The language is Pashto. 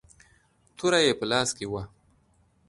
توره يې په لاس کې وه.